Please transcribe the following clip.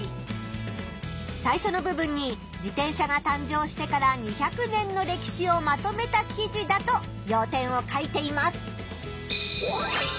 最初の部分に自転車が誕生してから２００年の歴史をまとめた記事だとよう点を書いています。